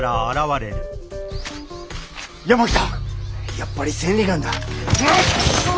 やっぱり千里眼だ。